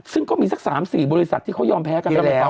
ซึ่งก็มีสัก๓๔บริษัทที่เขายอมแพ้กันไปแล้ว